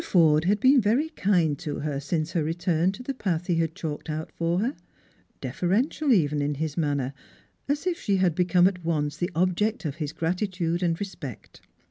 Forde had been very kind to her since her re turn to the path he had clialked out for her — deferential even in his manner, as if she had became at once the object of his gratitude and respect.